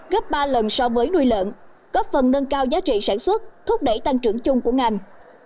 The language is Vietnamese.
gấp ba lần so với nuôi lợn góp phần nâng cao giá trị sản xuất thúc đẩy tăng trưởng chung của ngành